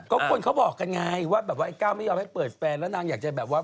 ก็คนเขาบอกกันไงว่าแบบว่าไอ้ก้าวไม่ยอมให้เปิดแฟนแล้วนางอยากจะแบบว่า